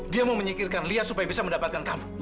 dia mau menyikirkan li ya supaya bisa mendapatkan kamu